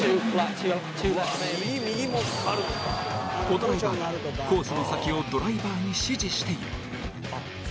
コ・ドライバーがコースの先をドライバーに指示している。